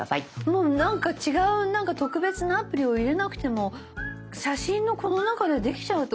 もうなんか違う特別なアプリを入れなくても写真のこの中でできちゃうってことですか？